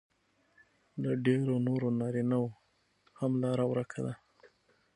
له ډېرو نورو نارینهو هم لار ورکه ده